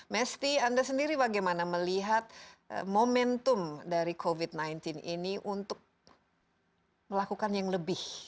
mesty anda sendiri bagaimana melihat momentum dari covid sembilan belas ini untuk melakukan yang lebih